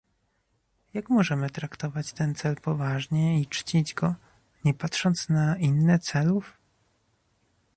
Jak możemy traktować ten cel poważnie i czcić go, nie patrząc na inne celów?